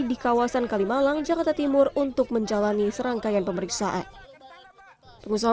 di kawasan kalimalang jakarta timur untuk menjalani serangkaian pemeriksaan pengusaha